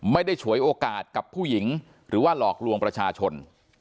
ฉวยโอกาสกับผู้หญิงหรือว่าหลอกลวงประชาชน